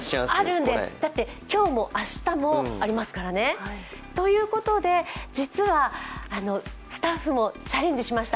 だって、今日も明日もありますからね。ということで、実はスタッフもチャレンジしました。